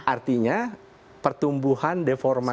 artinya pertumbuhan deformasi